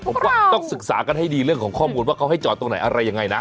ผมก็ต้องศึกษากันให้ดีเรื่องของข้อมูลว่าเขาให้จอดตรงไหนอะไรยังไงนะ